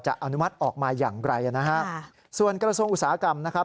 อนุมัติออกมาอย่างไรนะฮะส่วนกระทรวงอุตสาหกรรมนะครับ